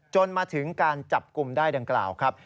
จนมาถึงการจับกลุ่มได้ดังกล่าวครับ